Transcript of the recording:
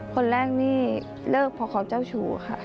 คนแรกนี่เลิกเพราะเขาเจ้าชู้ค่ะ